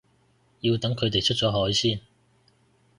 要等佢哋出咗海先